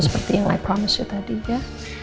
seperti yang i promised you tadi ya